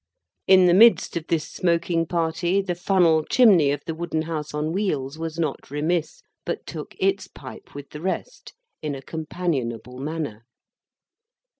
In the midst of this smoking party, the funnel chimney of the wooden house on wheels was not remiss, but took its pipe with the rest in a companionable manner.